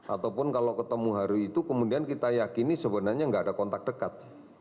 ataupun kalau ketemu hari itu kemudian kita yakini sebenarnya nggak ada kontak dekat